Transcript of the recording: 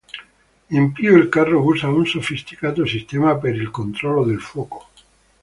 In più il carro usa un sofisticato sistema per il controllo del fuoco.